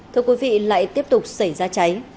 thưa quý vị lại tiếp tục xảy ra cháy